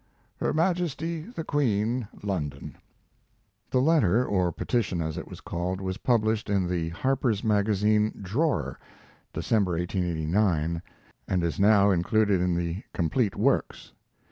Her Majesty the Queen, London. The letter, or "petition," as it was called, was published in the Harper's Magazine "Drawer" (December, 1889), and is now included in the "Complete Works."